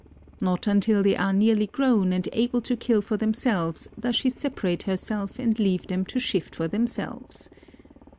Not until they are nearly grown and able to kill for themselves does she separate herself and leave them to shift for themselves.